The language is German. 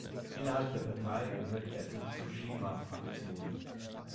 Innerhalb der Partei gehörte er zur Tsushima-Faktion.